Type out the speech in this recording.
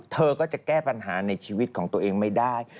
เธอก็จะแก้ปัญหาในชีวิตของตัวเองไม่ได้